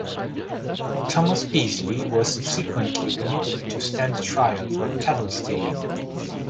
Thomas Peisley was subsequently committed to stand trial for cattle stealing.